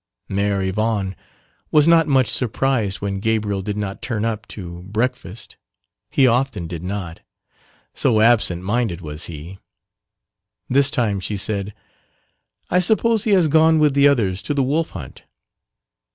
Mère Yvonne was not much surprised when Gabriel did not turn up to breakfast he often did not, so absent minded was he; this time she said, "I suppose he has gone with the others to the wolf hunt."